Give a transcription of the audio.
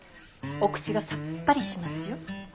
お口がさっぱりしますよ。